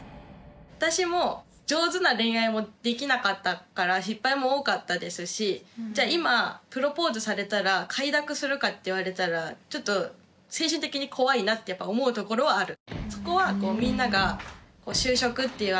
私も上手な恋愛もできなかったから失敗も多かったですしじゃあ今プロポーズされたら快諾するかって言われたらちょっと精神的に怖いなってやっぱ思うところはある。